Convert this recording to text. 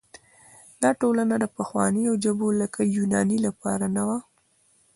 دا ټولنه د پخوانیو ژبو لکه یوناني لپاره نه وه.